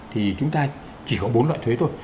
thì chúng ta chỉ có bốn loại thuế thôi